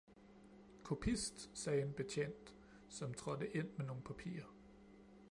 kopist!" sagde en betjent, som trådte ind med nogle papirer.